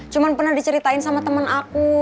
cuma pernah diceritain sama temen aku